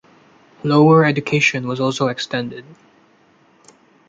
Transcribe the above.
Lower education was also extended.